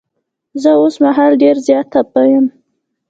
زه اوس مهال ډير زيات خفه یم.